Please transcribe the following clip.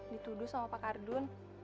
dituduh sama pak ardun